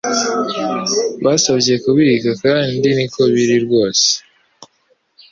Basabye kubika kandi niko biri rwose